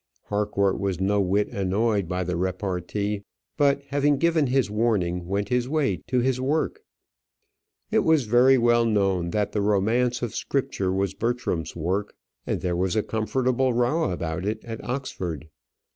Harcourt was no whit annoyed by the repartee, but having given his warning, went his way to his work. It was very well known that the "Romance of Scripture" was Bertram's work, and there was a comfortable row about it at Oxford.